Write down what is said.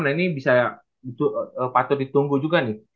nah ini bisa patut ditunggu juga nih